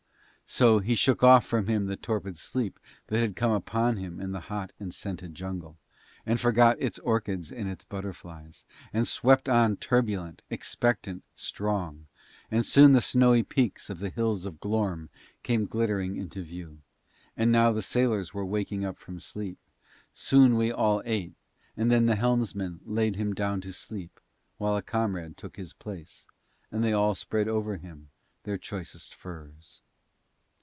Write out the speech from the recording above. So he shook off from him the torpid sleep that had come upon him in the hot and scented jungle, and forgot its orchids and its butterflies, and swept on turbulent, expectant, strong; and soon the snowy peaks of the Hills of Glorm came glittering into view. And now the sailors were waking up from sleep. Soon we all ate, and then the helmsman laid him down to sleep while a comrade took his place, and they all spread over him their choicest furs.